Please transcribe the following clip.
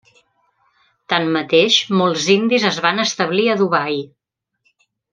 Tanmateix, molts indis es van establir a Dubai.